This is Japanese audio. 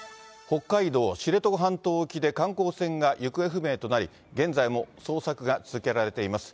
北海道知床半島沖で観光船が行方不明となり、現在も捜索が続けられています。